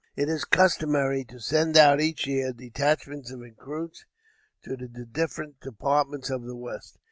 It is customary to send out, each year, detachments of recruits to the different departments of the West.